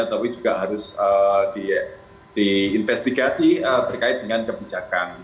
tapi juga harus diinvestigasi terkait dengan kebijakan